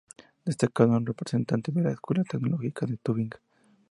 Destacado representante de la Escuela Teológica de Tubinga.